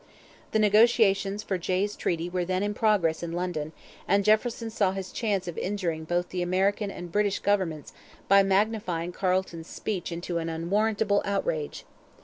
The negotiations for Jay's Treaty were then in progress in London, and Jefferson saw his chance of injuring both the American and British governments by magnifying Carleton's speech into an 'unwarrantable outrage.'